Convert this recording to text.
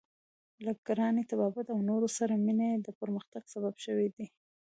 له کرانې، طبابت او نورو سره مینه یې د پرمختګ سبب شوې ده.